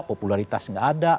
popularitas gak ada